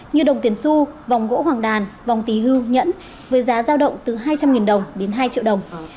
như đồng tiền su vòng gỗ hoàng đàn vòng tí hư nhẫn với giá giao động từ hai trăm linh đồng đến hai triệu đồng